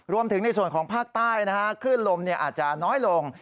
รวมถึงในส่วนของภาคใต้คลื่นลมอาจจะน้อยลง